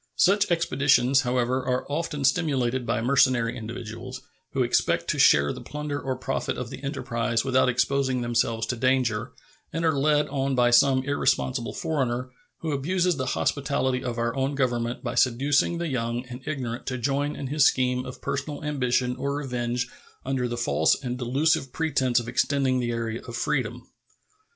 Such expeditions, however, are often stimulated by mercenary individuals, who expect to share the plunder or profit of the enterprise without exposing themselves to danger, and are led on by some irresponsible foreigner, who abuses the hospitality of our own Government by seducing the young and ignorant to join in his scheme of personal ambition or revenge under the false and delusive pretense of extending the area of freedom.